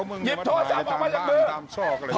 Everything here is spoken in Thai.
นัทหยิบโทรศัพท์ออกมาเร็บมือ